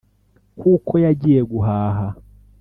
kuko yagiye guhaha